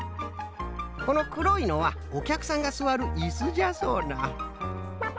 このくろいのはおきゃくさんがすわるいすじゃそうな。